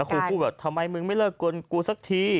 แล้วครูกูแบบทำไมมึงไม่เลิกกวนกูสักที